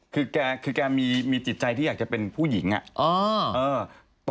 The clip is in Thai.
คือแกคือแกมีจิตใจที่อยากจะเป็นผู้หญิงอ่ะ